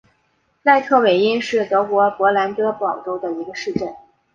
赖特韦因是德国勃兰登堡州的一个市镇。